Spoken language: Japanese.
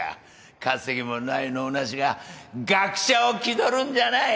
稼ぎもない能なしが学者を気取るんじゃない